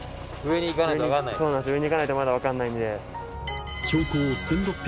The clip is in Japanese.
上に行かないとまだ分からない。